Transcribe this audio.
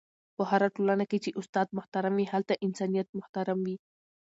په هره ټولنه کي چي استاد محترم وي، هلته انسانیت محترم وي..